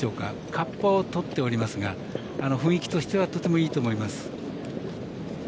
かっぱをとっておりますが雰囲気としては、とてもいいと思います。